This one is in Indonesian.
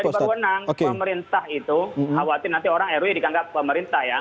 yang dari perwenang pemerintah itu khawatir nanti orang rw dikanggap pemerintah ya